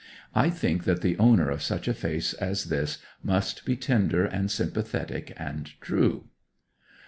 I think that the owner of such a face as this must be tender and sympathetic and true.